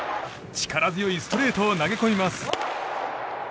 力強いストレートを投げ込みます。